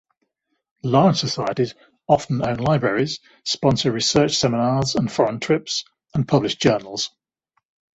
Large societies often own libraries, sponsor research seminars and foreign trips, and publish journals.